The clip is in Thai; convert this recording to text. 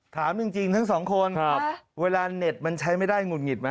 ถามจริงทั้งสองคนเวลาเน็ตมันใช้ไม่ได้หงุดหงิดไหม